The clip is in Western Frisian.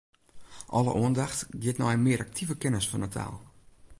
Alle oandacht giet nei in mear aktive kennis fan 'e taal.